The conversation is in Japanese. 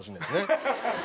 ハハハハ！